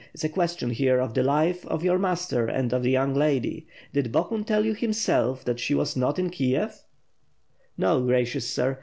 It is a question here of the life of your master and of the young lady. Did Bohun tell you him self, that she was not in Kiev?" "No, gracious sir.